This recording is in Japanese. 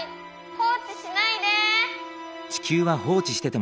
放置しないで。